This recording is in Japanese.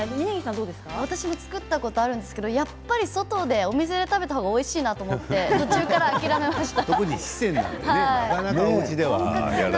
私も作ったことはあるんですが、やっぱり外のお店で食べた方がおいしいなと思って途中から諦めました。